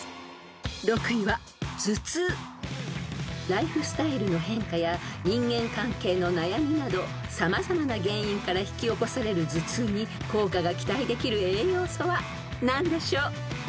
［ライフスタイルの変化や人間関係の悩みなど様々な原因から引き起こされる頭痛に効果が期待できる栄養素は何でしょう？］